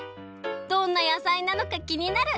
どんな野菜なのかきになる！